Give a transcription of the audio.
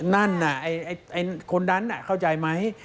นั่นน่ะคนดันเข้าใจไหม